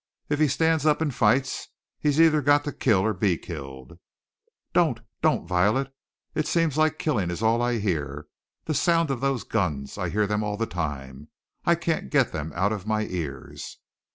"If he stands up and fights he's either got to kill or be killed." "Don't don't, Violet! It seems like killing is all I hear the sound of those guns I hear them all the time, I can't get them out of my ears!"